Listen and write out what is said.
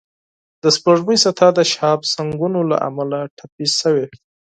د سپوږمۍ سطحه د شهابسنگونو له امله زخمي شوې